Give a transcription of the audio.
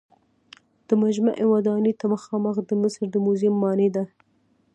د مجمع ودانۍ ته مخامخ د مصر د موزیم ماڼۍ ده.